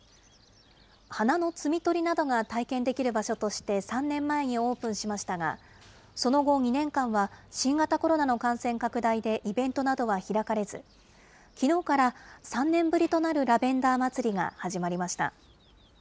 花の摘み取りなどが体験できる場所として、３年前にオープンしましたが、その後２年間は新型コロナの感染拡大でイベントなどは開かれず、きのうから３年ぶりとなるラベンダーまつりが始まりました。